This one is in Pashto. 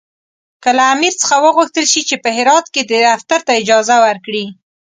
که له امیر څخه وغوښتل شي چې په هرات کې دفتر ته اجازه ورکړي.